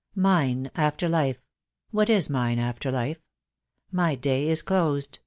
"Mine after life! what is mine after life? My day is closed!